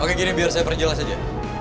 oke gini biar saya perjelas aja